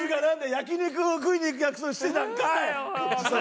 焼き肉食いに行く約束してたんかい！